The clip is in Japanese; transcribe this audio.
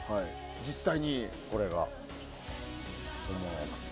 実際にこれが。